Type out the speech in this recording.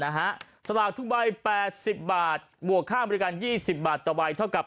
นะฮะสลากทุกใบแปดสิบบาทบวกค่าบริการยี่สิบบาทต่อไปเท่ากับ